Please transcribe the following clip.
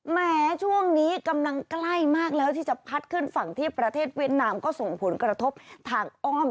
แม้ช่วงนี้กำลังใกล้มากแล้วที่จะพัดขึ้นฝั่งที่ประเทศเวียดนามก็ส่งผลกระทบทางอ้อม